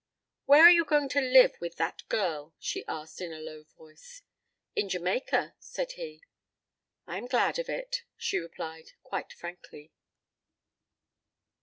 "Where are you going to live with that girl?" she asked in a low voice. "In Jamaica," said he. "I am glad of it," she replied, quite frankly.